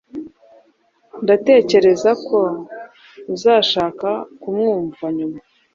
Ndatekereza ko uzashaka kumwumva nyuma.